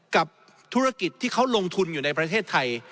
กับธุรกิจที่เขาลงทุนอยู่ในประเทศไทย